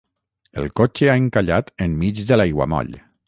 El cotxe ha encallat enmig de l'aiguamoll.